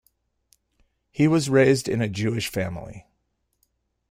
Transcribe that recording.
He was raised in a Jewish family.